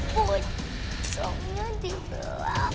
pokoknya di belakang